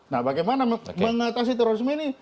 nah bagaimana mengatasi terorisme ini